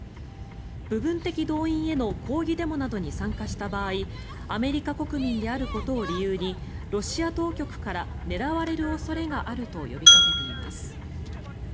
部分的動員への抗議デモなどに参加した場合アメリカ国民であることを理由にロシア当局から狙われる恐れがあると呼びかけています。